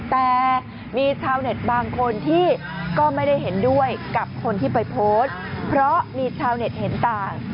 แต่มีชาวเน็ตบางคนที่ก็ไม่ได้เห็นด้วยกับคนที่ไปโพสต์เพราะมีชาวเน็ตเห็นต่าง